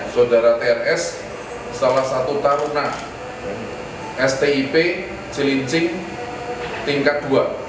sodara trs salah satu taruna stip cilincing tingkat dua